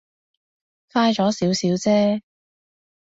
快咗少少啫